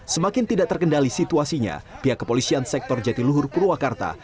semakin tidak terkendali situasinya pihak kepolisian sektor jatiluhur purwakarta